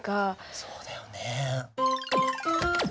そうだよね。